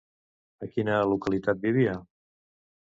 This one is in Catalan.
A quina localitat vivia?